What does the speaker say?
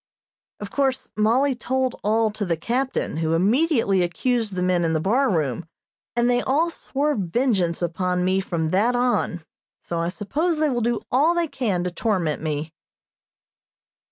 Of course Mollie told all to the captain, who immediately accused the men in the bar room, and they all swore vengeance upon me from that on, so I suppose they will do all they can to torment me.